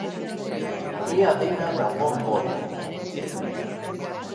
Ia dena dago modan.